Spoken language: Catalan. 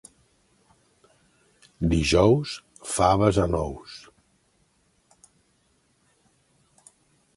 Dijous, faves en ous.